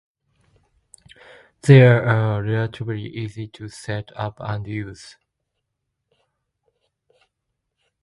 They are relatively easy to set up and use.